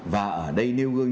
và ở đây nêu gương